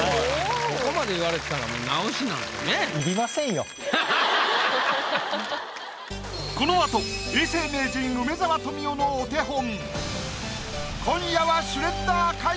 ここまで言われたらこのあと永世名人梅沢富美男のお手本。